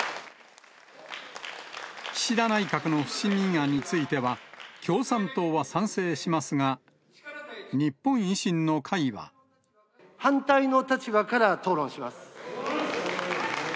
岸田内閣の不信任案については、共産党は賛成しますが、反対の立場から討論します。